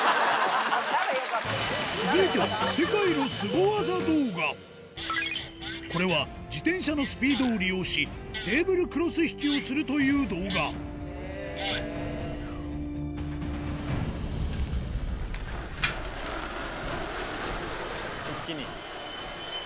続いてはこれは自転車のスピードを利用しテーブルクロス引きをするという動画一気に。